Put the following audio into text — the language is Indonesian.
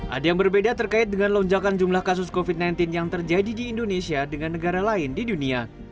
ada yang berbeda terkait dengan lonjakan jumlah kasus covid sembilan belas yang terjadi di indonesia dengan negara lain di dunia